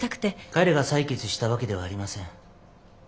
彼が裁決したわけではありません。